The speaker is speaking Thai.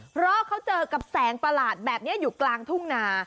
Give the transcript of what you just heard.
เพราะเขาเจอกับแสงประหลาดแบบนี้อยู่กลางทุ่งนา